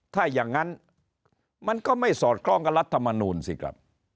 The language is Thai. ถ้าอย่างนั้นมันก็ไม่สอดคล้องกับรัฐมนูลสิครับ